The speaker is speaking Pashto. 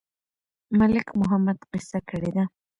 ملک محمد قصه کړې ده.